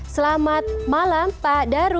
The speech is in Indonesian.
selamat malam pak daru